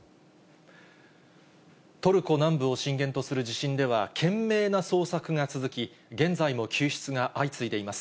トルコ南部を震源とする地震では、懸命な捜索が続き、現在も救出が相次いでいます。